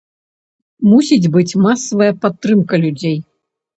Мусіць быць масавая падтрымка людзей.